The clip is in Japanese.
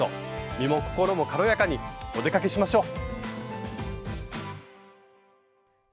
身も心も軽やかにお出かけしましょう！